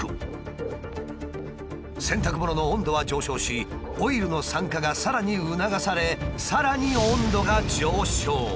洗濯物の温度は上昇しオイルの酸化がさらに促されさらに温度が上昇。